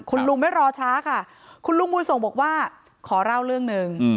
คุณลุงไม่รอช้าค่ะคุณลุงบุญส่งบอกว่าขอเล่าเรื่องหนึ่ง